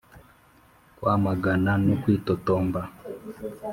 kwamagana no kwitotomba